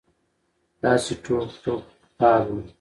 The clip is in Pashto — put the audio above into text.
داسې ټوک ټوک تال ول